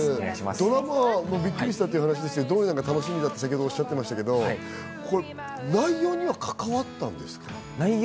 ドラマ、びっくりしたという話でしたけど、楽しみだとおっしゃっていましたけど内容にはかかわったんですか？